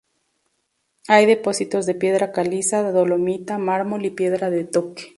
Hay depósitos de piedra caliza, dolomita, mármol y piedra de toque.